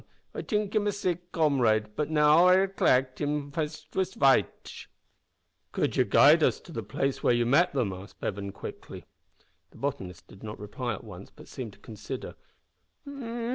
I t'ink him a sick comrade, but now I reklect hims face vas vhitish." "Could ye guide us to the place where ye met them?" asked Bevan, quickly. The botanist did not reply at once, but seemed to consider.